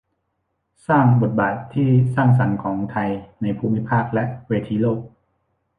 สร้างบทบาทที่สร้างสรรค์ของไทยในภูมิภาคและเวทีโลก